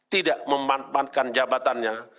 tidak memanfaatkan jabatannya